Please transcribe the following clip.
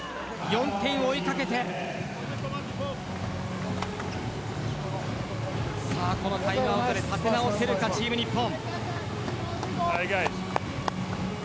４点を追い掛けてこのタイムアウトで建て直せるかチーム日本。